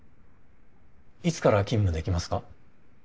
いつから勤務できますか？